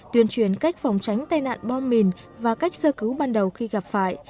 tuyên truyền cách phòng tránh tai nạn bom mìn và cách sơ cứu ban đầu khi gặp phải